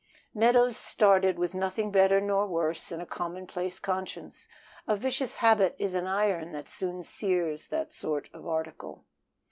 Meadows started with nothing better nor worse than a commonplace conscience. A vicious habit is an iron that soon sears that sort of article.